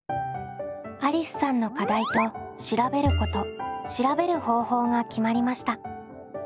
ありすさんの課題と調べること調べる方法が決まりました。